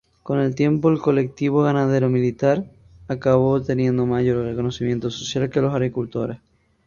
Con el tiempo el colectivo ganadero-militar acabó teniendo mayor reconocimiento social que los agricultores.